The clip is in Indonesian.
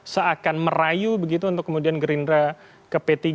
seakan merayu begitu untuk kemudian gerindra ke p tiga